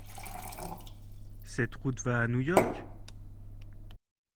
Cette route va à New York ?